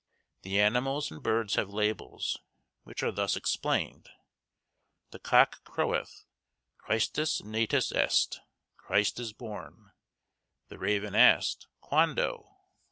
The animals and birds have labels, which are thus explained. The cock croweth, Christus natus est, Christ is born. The raven asked, _Quando?